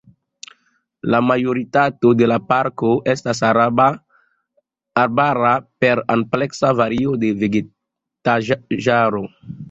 La majoritato de la parko estas arbara per ampleksa vario de vegetaĵaro.